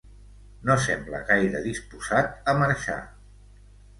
No sembla gaire disposat a marxar.